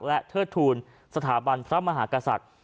และเทิดทูลสถาบันพระมหากษัตริย์